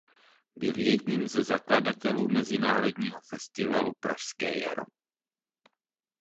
Byl jedním ze zakladatelů mezinárodního festivalu Pražské jaro.